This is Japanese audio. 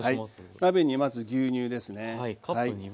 鍋にまず牛乳ですね。